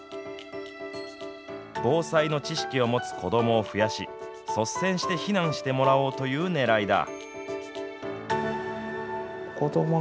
防災の知識を持つ子どもを増やし、率先して避難してもらおうというねらいだ。